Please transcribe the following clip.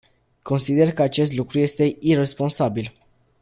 Consider că acest lucru este iresponsabil.